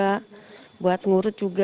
bisa buat ngurut juga